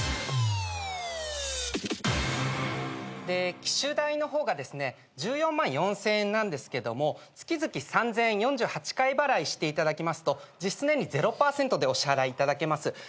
で機種代の方がですね１４万４，０００円なんですけども月々３，０００円４８回払いしていただきますと実質年利０％でお支払いいただけます。